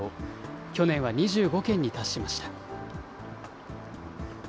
去年は２５件に達しました。